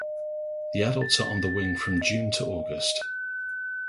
The adults are on the wing from June to August.